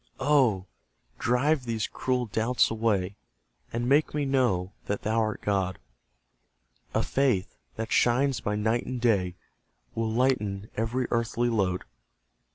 Oh, drive these cruel doubts away; And make me know, that Thou art God! A faith, that shines by night and day, Will lighten every earthly load.